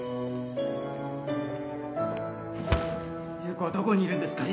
優子はどこにいるんですか！？